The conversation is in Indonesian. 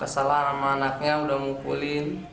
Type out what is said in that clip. kesalahan sama anaknya sudah mengumpulkan